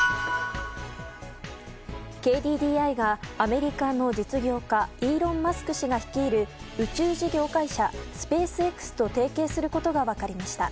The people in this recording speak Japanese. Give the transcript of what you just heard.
ＫＤＤＩがアメリカの実業家イーロン・マスク氏が率いる宇宙事業会社スペースＸと提携することが分かりました。